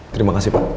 terima kasih pak